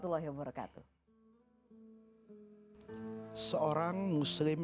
seorang muslim dan seorang mu'min